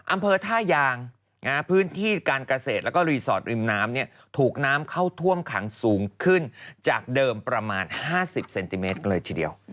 อำเภอท่ายางพื้นที่การเกษตรแล้วก็รีสอร์ทริมน้ำถูกน้ำเข้าท่วมขังสูงขึ้นจากเดิมประมาณ๕๐เซนติเมตรเลยทีเดียว